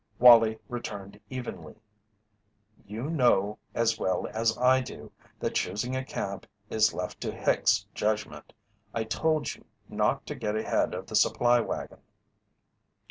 Wallie returned evenly: "You know as well as I do that choosing a camp is left to Hicks' judgment. I told you not to get ahead of the supply wagon."